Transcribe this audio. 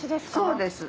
そうです。